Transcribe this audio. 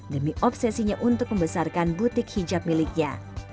demi obsesinya untuk membesarkan butik hijab miliknya